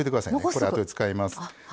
これあとで使います。